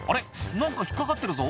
何か引っ掛かってるぞ」